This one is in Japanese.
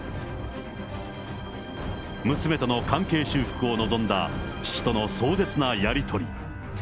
娘との関係修復を望んだ父との壮絶なやり取り。